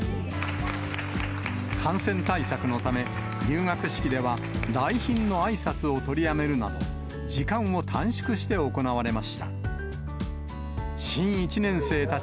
感染対策のため、入学式では来賓のあいさつを取りやめるなど、時間を短縮して行われました。